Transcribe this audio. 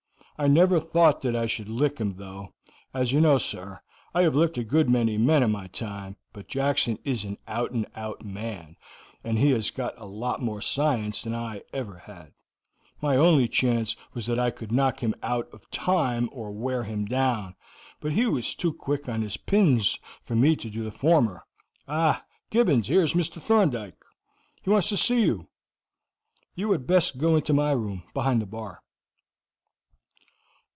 I never thought that I should lick him, though, as you know, sir, I have licked a good many good men in my time, but Jackson is an out and out man, and he has got a lot more science than I ever had; my only chance was that I could knock him out of time or wear him down; but he was too quick on his pins for me to do the former. Ah, Gibbons, here is Mr. Thorndyke. He wants to see you; you had best go into my room behind the bar."